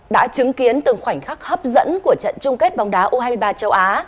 đã chứng kiến từng khoảnh khắc hấp dẫn của trận chung kết bóng đá u hai mươi ba châu á